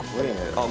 あっ。